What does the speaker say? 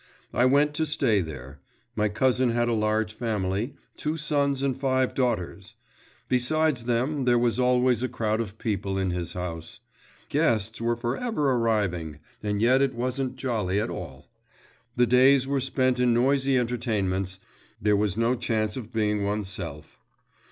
I went to stay there. My cousin had a large family; two sons and five daughters. Besides them, there was always a crowd of people in his house. Guests were for ever arriving; and yet it wasn't jolly at all. The days were spent in noisy entertainments, there was no chance of being by oneself.